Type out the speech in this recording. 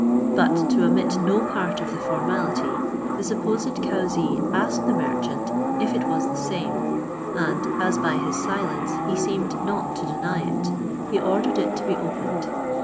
But to omit no part of the formality, the supposed cauzee asked the merchant if it was the same; and as by his silence he seemed not to deny it, he ordered it to be opened.